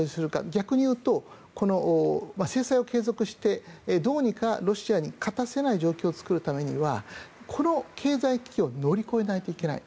逆に言うと、制裁を継続してどうにかロシアに勝たせない状況を作るためにはこの経済危機を乗り越えないといけない。